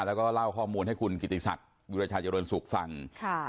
แล้วก็เล่าข้อมูลให้คุณกิติศักดิ์วิราชาเจริญสุขฟังค่ะ